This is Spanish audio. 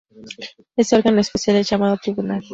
Ese órgano especial es llamado tribunal.